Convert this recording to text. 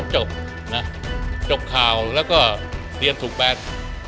จบข่าวแล้วก็เรียนถูกแบน